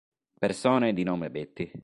Persone di nome Betty